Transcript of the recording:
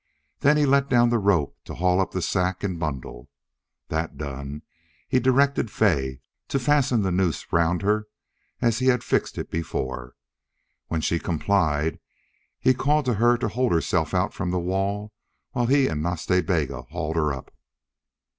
Then he let down the rope to haul up the sack and bundle. That done, he directed Fay to fasten the noose round her as he had fixed it before. When she had complied he called to her to hold herself out from the wall while he and Nas Ta Bega hauled her up.